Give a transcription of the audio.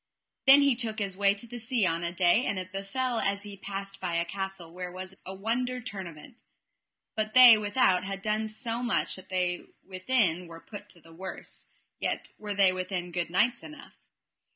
Then he took his way to the sea on a day, and it befell as he passed by a castle where was a wonder tournament, but they without had done so much that they within were put to the worse, yet were they within good knights enough.